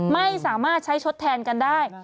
ไม่สามารถใช้ทดแทนกันได้